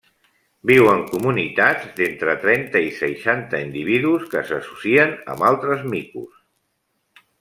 Viu en comunitats d'entre trenta i seixanta individus que s'associen amb altres micos.